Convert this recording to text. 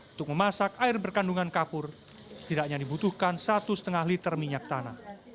untuk memasak air berkandungan kapur setidaknya dibutuhkan satu lima liter minyak tanah